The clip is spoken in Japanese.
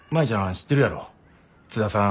知ってるやろ津田さん